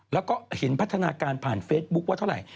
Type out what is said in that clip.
แล้วก็เห็นพัฒนาการผ่านเฟซบุ๊คว่าเท่าไหร่